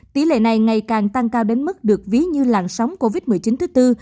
tỷ lệ này ngày càng tăng cao đến mức được ví như làn sóng covid một mươi chín thứ tư